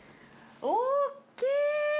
おっきい！